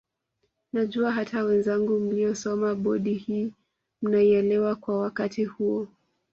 Najua hata wenzangu mliosoma bodi hii mnaielewa kwa wakati huo